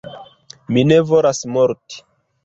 Mi ne volas morti!